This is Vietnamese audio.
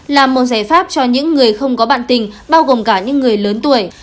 là một giải pháp cho những người không có bạn tình bao gồm cả những người lớn tuổi